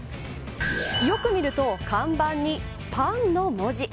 よく見ると看板にパンの文字。